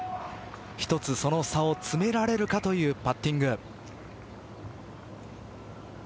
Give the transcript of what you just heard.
１つその差を詰められるかというパッティング。